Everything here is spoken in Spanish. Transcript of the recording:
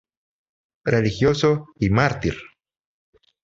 Religioso y Mártir.